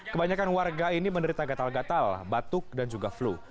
kebanyakan warga ini menderita gatal gatal batuk dan juga flu